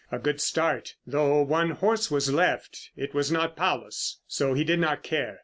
A good start, though one horse was left. It was not Paulus, so he did not care.